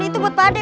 itu buat pak de